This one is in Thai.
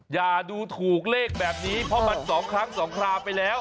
อย่าดูถูกเลขแบบนี้เพราะมัน๒ครั้ง๒ครามไปแล้ว